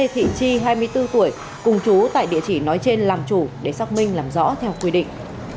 thị chi hai mươi bốn tuổi cùng chú tại địa chỉ nói trên làm chủ để xác minh làm rõ theo quy định